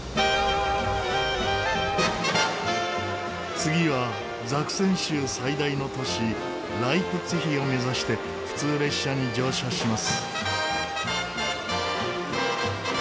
次はザクセン州最大の都市ライプツィヒを目指して普通列車に乗車します。